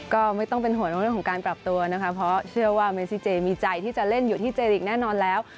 ก็ไม่ต้องเป็นห่วงเรื่องของการปรับตัวนะคะเพราะเชื่อว่าเมซิเจมีใจที่จะเล่นอยู่ที่เจริกแน่นอนแล้ว